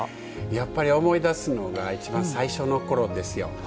やっぱり思い出すのがいちばん最初のころですよ。